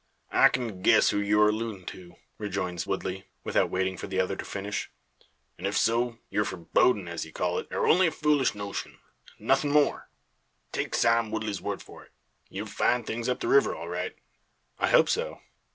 "I kin guess who you're alludin' to," rejoins Woodley, without waiting for the other to finish, "an' ef so, yur forebodin', as ye call it, air only a foolish notion, an' nothin' more. Take Sime Woodley's word for it, ye'll find things up the river all right." "I hope so."